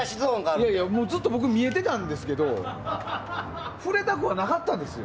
いやいや、ずっと僕見えてたんですけど触れたくはなかったんですよ。